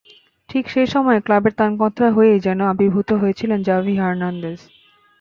ঠিক সেই সময়ই ক্লাবের ত্রাণকর্তা হয়েই যেন আবির্ভূত হয়েছিলেন জাভি হার্নান্দেজ।